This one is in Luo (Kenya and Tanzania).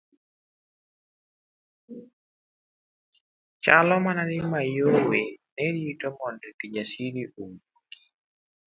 Chalo mana ni Mayowe ne rito mondo Kijasiri owuogi.